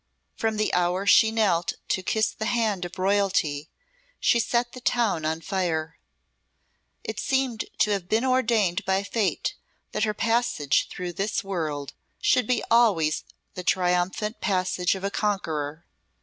From the hour she knelt to kiss the hand of royalty she set the town on fire. It seemed to have been ordained by Fate that her passage through this world should be always the triumphant passage of a conqueror.